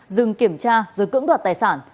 dừng kiểm tra rồi cưỡng đoạt tài sản